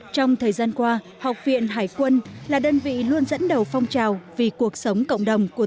trong thời gian qua học viện hải quân là đơn vị luôn dẫn đầu phong trào vì cuộc sống cộng đồng của